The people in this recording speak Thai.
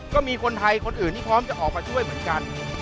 ก็มีคนไทยคนอื่นที่พร้อมจะออกมาช่วยเหมือนกัน